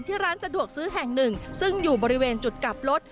ร้านสะดวกซื้อแห่งหนึ่งซึ่งอยู่บริเวณจุดกลับรถ